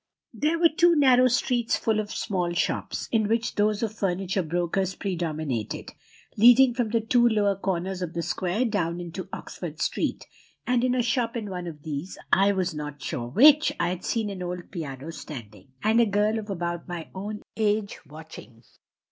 "There were two narrow streets full of small shops, in which those of furniture brokers predominated, leading from the two lower corners of the square down into Oxford Street; and in a shop in one of these, I was not sure which, I had seen an old piano standing, and a girl of about my own age watching.